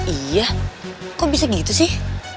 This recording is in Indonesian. iya kok bisa gitu sih